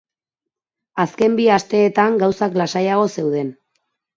Azken bi asteetan gauzak lasaiago zeuden.